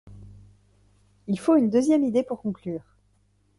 Il faut une deuxième idée pour conclure.